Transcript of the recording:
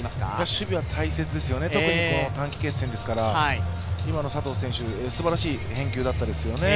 守備は大切ですよね、特に短期決戦ですから、今の佐藤選手、すばらしい返球だったですよね。